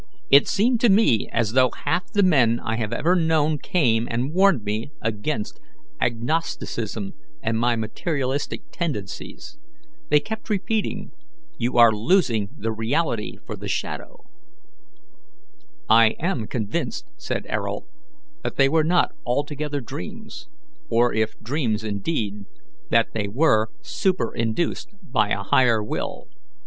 It seemed to me as though half the men I have ever known came and warned me against agnosticism and my materialistic tendencies. They kept repeating, 'You are losing the reality for the shadow.'" "I am convinced," said Ayrault, "that they were not altogether dreams, or, if dreams indeed, that they were superinduced by a higher will.